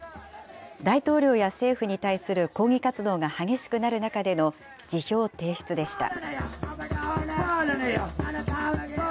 大統領や政府に対する抗議活動が激しくなる中での辞表提出でした。